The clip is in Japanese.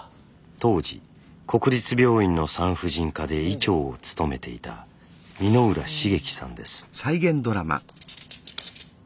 当時国立病院の産婦人科で医長を務めていた箕浦茂樹さんです。